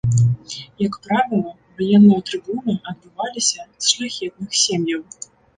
Як правіла, ваенныя трыбуны адбываліся з шляхетных сем'яў.